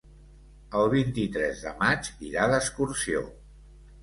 El vint-i-tres de maig irà d'excursió.